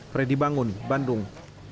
freddy bangun bandung